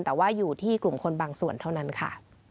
แต่ว่าอยู่ที่กลุ่มคนบางส่วนเท่านั้นค่ะ